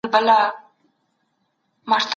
دې شورا به د وزيرانو کارونه څېړلي وي.